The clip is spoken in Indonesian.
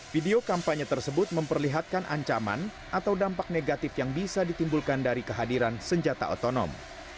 video kampanye tersebut memperlihatkan ancaman atau dampak negatif yang bisa ditimbulkan dari kehadiran senjata otonom